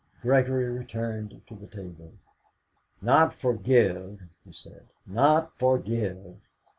Gregory returned to the table. "Not 'forgive,'" he said, "not 'forgive'."